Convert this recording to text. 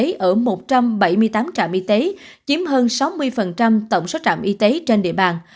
y tế ở một trăm bảy mươi tám trạm y tế chiếm hơn sáu mươi tổng số trạm y tế trên địa bàn